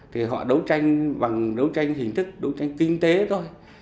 chỉ dừng lại đấu tranh kinh tế và đấu tranh chính trị